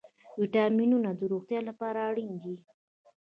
ویټامینونه د روغتیا لپاره اړین دي